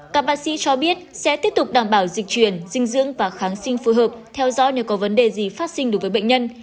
các bác sĩ cho biết sẽ tiếp tục đảm bảo dịch truyền dinh dưỡng và kháng sinh phù hợp theo dõi nếu có vấn đề gì phát sinh đối với bệnh nhân